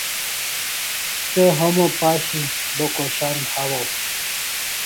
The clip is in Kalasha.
Se homa pashi bo khoshan hawaw